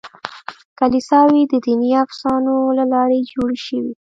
کلیساوې د دیني افسانو له لارې جوړې شوې.